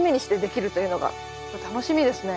楽しみですね。